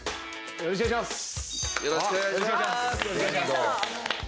よろしくお願いします。